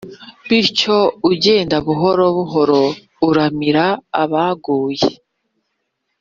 Bityo ugenda buhoro buhoro uramira abaguye,